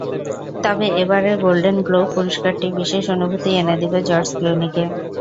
তবে এবারের Golden Globe পুরস্কারটি বিশেষ অনুভূতিই এনে দেবে জর্জ ক্লুনিকে।